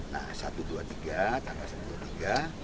nah satu dua tiga tanggal satu dua tiga